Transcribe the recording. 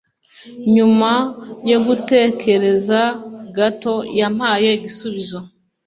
Nyuma yo gutekereza gato, yampaye igisubizo.